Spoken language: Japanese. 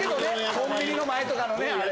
コンビニの前とかのねあれ。